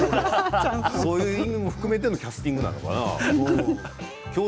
そういう意味を含めてのキャスティングだな。